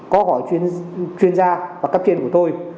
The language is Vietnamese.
có hỏi chuyên gia và cấp trên của tôi